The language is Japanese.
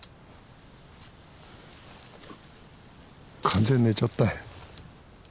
完全に寝ちゃったよ。